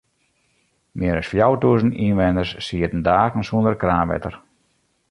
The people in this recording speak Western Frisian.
Mear as fjouwertûzen ynwenners sieten dagen sûnder kraanwetter.